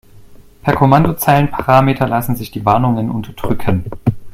Per Kommandozeilenparameter lassen sich die Warnungen unterdrücken.